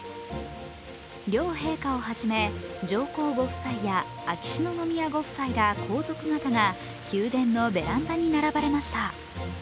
両陛下をはじめ、上皇ご夫妻や秋篠宮ご夫妻ら皇族方が宮殿のベランダに並ばれました。